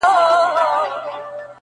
سوداګر به یو له چین تر سمرقنده -